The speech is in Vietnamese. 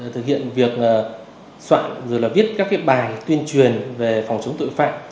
thực hiện việc soạn rồi là viết các bài tuyên truyền về phòng chống tội phạm